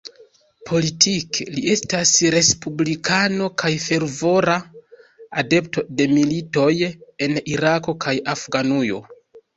Politike li estas respublikano kaj fervora adepto de militoj en Irako kaj Afganujo.